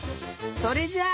それじゃあ。